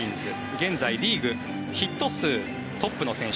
現在リーグヒット数トップの選手。